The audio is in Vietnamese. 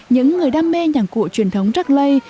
những người đam mê nhạc cụ truyền thống rắc lây